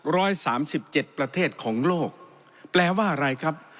ร้อยสามสิบเจ็ดประเทศของโลกแปลว่าอะไรครับ